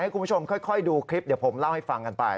คุณผู้ชมค่อยดูคลิปเดี๋ยวผมเล่าให้ฟังกันไป